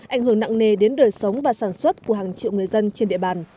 ảnh hưởng nặng nề đến đời sống và sản xuất của hàng triệu người dân trên địa bàn